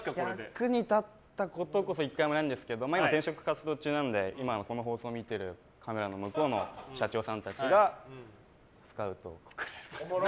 役に立ったことこそないんですけど今、転職活動中なので今、この放送を見てるカメラの向こうの社長さんたちが何のスカウト。